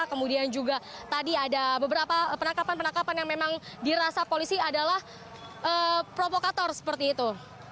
kemudian juga tadi ada beberapa penangkapan penangkapan yang memang dirasa polisi adalah provokator seperti itu